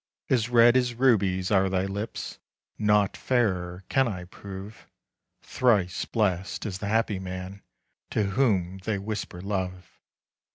As red as rubies are thy lips, Naught fairer can I prove. Thrice blessed is the happy man To whom they whisper love.